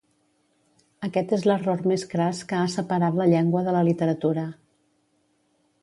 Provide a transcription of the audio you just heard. Aquest és l'error més cras que ha separat la llengua de la literatura.